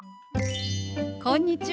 こんにちは。